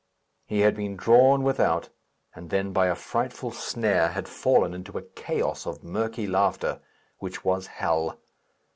He had been drawn without, and then, by a frightful snare, had fallen into a chaos of murky laughter, which was hell.